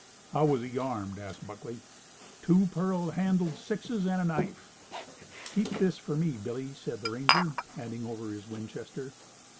"How was he armed?" asked Buckley. "Two pearl handled sixes, and a knife." "Keep this for me, Billy," said the ranger, handing over his Winchester.